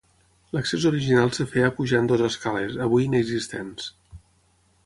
L'accés original es feia pujant dues escales, avui inexistents.